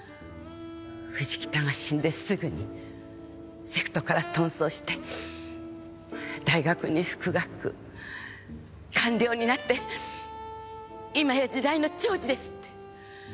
藤北が死んですぐにセクトから遁走して大学に復学官僚になって今や時代の寵児ですって？